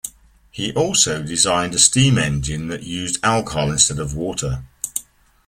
He also designed a steam engine that used alcohol instead of water.